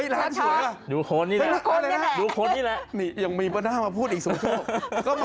ร้านสวยเหรอ